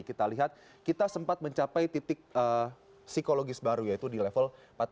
kita lihat kita sempat mencapai titik psikologis baru yaitu di level empat